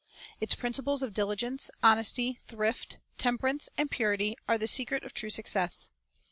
Its principles of diligence, honesty, thrift, temperance, and purity are the secret of true success.